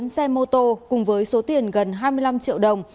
bốn xe mô tô cùng với số tiền gần hai mươi năm triệu đồng